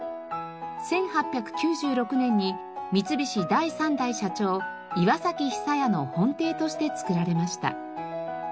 １８９６年に三菱第３代社長岩崎久彌の本邸として造られました。